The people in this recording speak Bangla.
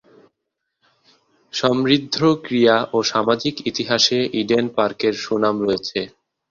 সমৃদ্ধ ক্রীড়া ও সামাজিক ইতিহাসে ইডেন পার্কের সুনাম রয়েছে।